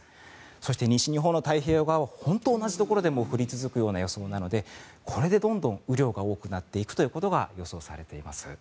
そして、西日本の太平洋側は本当に同じようなところで降り続く予想なのでこれでどんどん、雨量が多くなっていくということが予想されています。